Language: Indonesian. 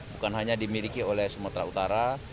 bukan hanya dimiliki oleh sumatera utara